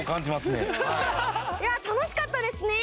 いや楽しかったですね